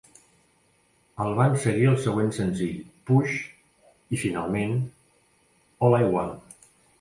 El van seguir el següent senzill "Push" i, finalment, "All I Want".